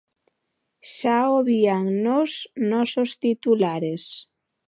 Xa o vían nos nosos titulares.